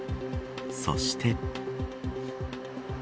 そして。